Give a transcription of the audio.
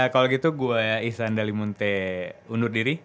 kalau gitu gue isan dali munte undur diri